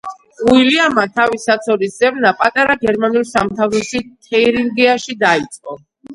უილიამმა თავისი საცოლის ძებნა პატარა გერმანულ სამთავროში, თიურინგიაში დაიწყო.